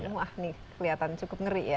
wah ini kelihatan cukup ngeri ya